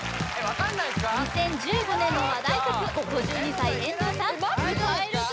２０１５年の話題曲を５２歳遠藤さん歌えるか？